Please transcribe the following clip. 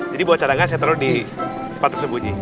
jadi buat cadangan saya taruh di tempat tersembunyi